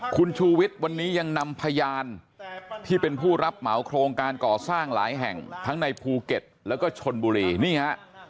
คุณชูวิทย์วันนี้ยังนำพยานที่เป็นผู้รับเหมาโครงการก่อสร้างหลายแห่งทั้งในภูเก็ตแล้วก็ชนบุรีนี่ฮะ